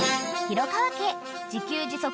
［廣川家］